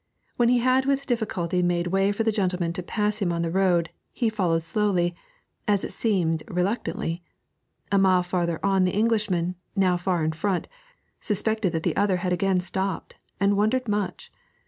When he had with difficulty made way for the gentleman to pass him on the road, he followed slowly, as it seemed reluctantly. A mile farther on the Englishman, now far in front, suspected that the other had again stopped, and wondered much.